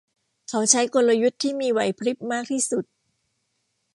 เขาใช้กลยุทธ์ที่มีไหวพริบมากที่สุด